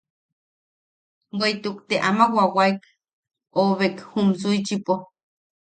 Bweʼituk te ama wawaek oʼobek jum Suichipo.